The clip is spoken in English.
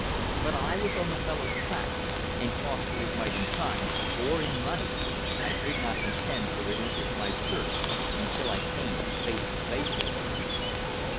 But I was on the fellow's track, and cost what it might in time, or in money, I did not intend to relinquish my search until I came face to face with him.